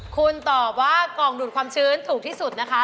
คุณตอบว่ากล่องดูดความชื้นถูกที่สุดนะคะ